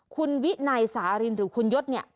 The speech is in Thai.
คุณวินัยสารินหรือคุณยศเนี่ย